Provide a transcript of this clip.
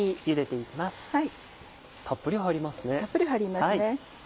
たっぷり入りますね。